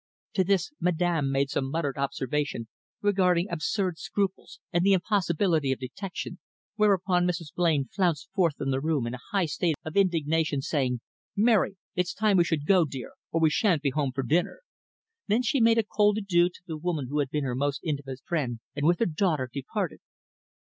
To this Madame made some muttered observation regarding `absurd scruples' and the impossibility of detection, whereupon Mrs. Blain flounced forth from the room in a high state of indignation, saying, `Mary, it's time we should go, dear, or we shan't be home for dinner.' Then she made a cold adieu to the woman who had been her most intimate friend, and with her daughter departed."